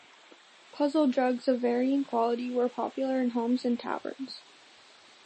Puzzle jugs of varying quality were popular in homes and taverns.